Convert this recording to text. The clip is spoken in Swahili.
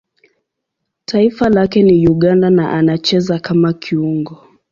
Taifa lake ni Uganda na anacheza kama kiungo.